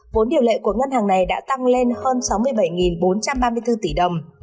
vốn điều lệ của ngân hàng này đã tăng lên hơn sáu mươi bảy bốn trăm ba mươi bốn tỷ đồng